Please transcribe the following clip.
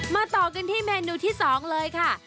ต่อกันที่เมนูที่๒เลยค่ะ